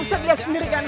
ustaz lihat sendiri ya